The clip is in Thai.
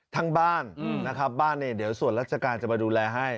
ทั้งบ้านนะครับบ้านเนี่ยเดี๋ยวส่วนราชการจะมาดูแลให้